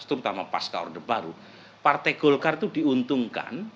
terutama pas ke orde baru partai golkar itu diuntungkan